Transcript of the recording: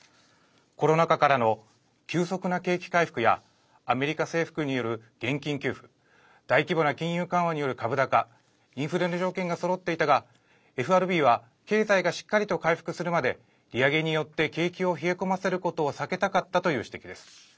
コロナ禍からの急速な景気回復やアメリカ政府による現金給付大規模な金融緩和による株高インフレの条件がそろっていたがＦＲＢは経済がしっかりと回復するまで利上げによって景気を冷え込ませることを避けたかったという指摘です。